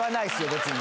別に。